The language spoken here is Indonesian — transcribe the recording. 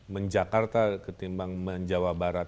men jakarta ketimbang men jawa barat